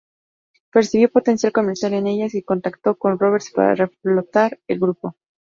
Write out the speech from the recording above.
Percibió potencial comercial en ellas y contactó con Roberts para reflotar el grupo.